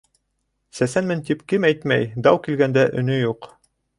Сәсәнмен тип кем әйтмәй? -Дау килгәндә, өнө юҡ.